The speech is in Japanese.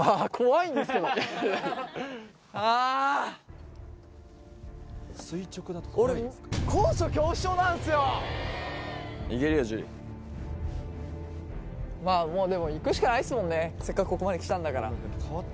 いけるよ、でももう、いくしかないですもんね、せっかくここまできたんだから。